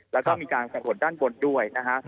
แล้วก็มีการสำรวจด้านบนด้วยนะฮะ